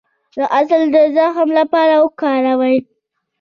د عسل د زخم لپاره وکاروئ